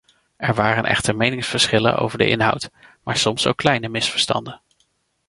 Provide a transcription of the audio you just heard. Er waren echte meningsverschillen over de inhoud, maar soms ook kleine misverstanden.